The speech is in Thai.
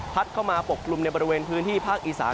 เข้ามาปกกลุ่มในบริเวณพื้นที่ภาคอีสาน